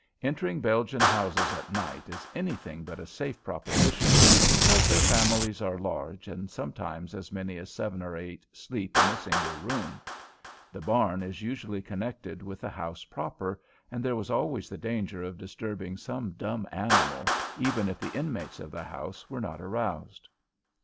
Entering Belgian houses at night is anything but a safe proposition, because their families are large and sometimes as many as seven or eight sleep in a single room. The barn is usually connected with the house proper, and there was always the danger of disturbing some dumb animal, even if the inmates of the house were not aroused.